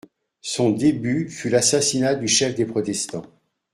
Son début fut l'assassinat du chef des protestants.